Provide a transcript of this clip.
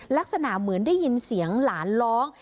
ลักษณะเหมือนได้ยินเสียงหลานร้อง